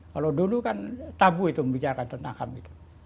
kalau dulu kan tabu itu membicarakan tentang ham itu